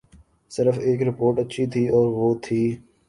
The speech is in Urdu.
صرف ایک رپورٹ اچھی تھی اور وہ تھی۔